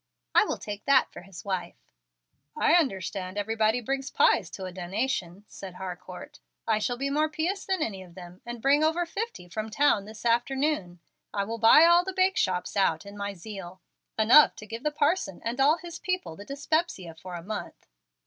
I will take that for his wife." "I understand everybody brings pies to a donation," said Harcourt. "I shall be more pious than any of them, and bring over fifty from town this afternoon. I will buy all the bake shops out, in my zeal, enough to give the parson and all his people the dyspepsia for a month."